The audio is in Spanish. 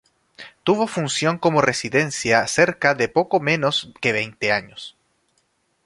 Tuvo función como residencia cerca de poco menos que veinte años.